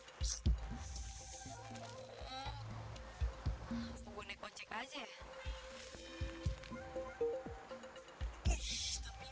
gua naik lonceng aja ya